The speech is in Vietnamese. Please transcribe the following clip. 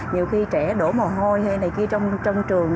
nhiều khi trẻ đổ mồ hôi hay này kia trong trường